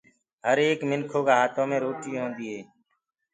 هر ايڪ منکِو هآتو مي روٽي هوندي هي